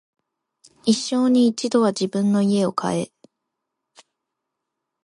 一生に一度は自分の家を買え